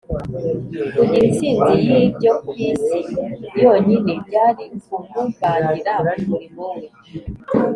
kugira intsinzi y’ibyo ku isi yonyine byari kumuvangira mu murimo we